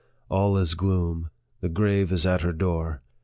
All is gloom. The grave is at the door.